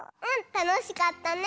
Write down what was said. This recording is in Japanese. たのしかったね。